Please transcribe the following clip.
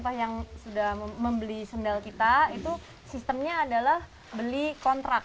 jadi menggunakan deskripsi numbuknya